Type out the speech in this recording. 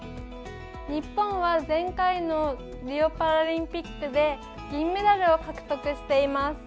日本は前回のリオパラリンピックで銀メダルを獲得しています。